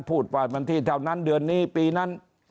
พูดว่าวันที่เท่านั้นเดือนนี้ปีนั้น